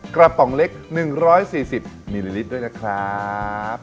กระป๋องเล็ก๑๔๐มิลลิลิตรด้วยนะครับ